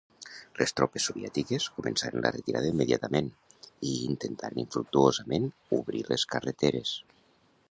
Les tropes soviètiques començaren la retirada immediatament, i intentaren infructuosament obrir les carreteres.